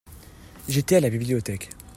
J'étais à la bibliothèque.